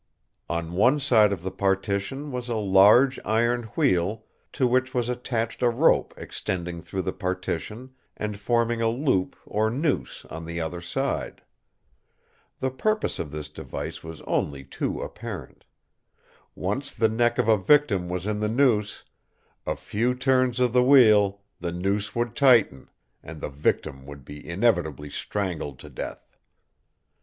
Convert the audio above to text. On one side of the partition was a large iron wheel to which was attached a rope extending through the partition and forming a loop or noose on the other side. The purpose of this device was only too apparent. Once the neck of a victim was in the noose, a few turns of the wheel, the noose would tighten, and the victim would be inevitably strangled to death.